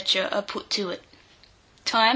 are put to it. Time.